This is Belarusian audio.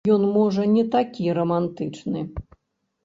Ён можа не такі рамантычны.